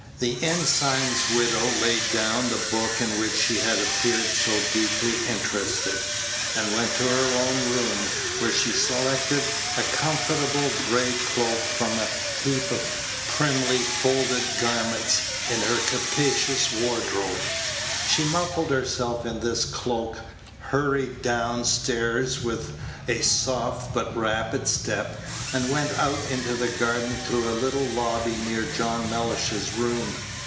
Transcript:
The ensign's widow laid down the book in Page 87 which she had appeared so deeply interested, and went to her own room, where she selected a comfortable gray cloak from a heap of primly folded garments in her capacious wardrobe. She muffled herself in this cloak, hurried down stairs with a soft but rapid step, and went out into the garden through a little lobby near John Mellish's room.